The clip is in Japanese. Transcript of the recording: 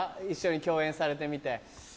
一緒に共演されてみて。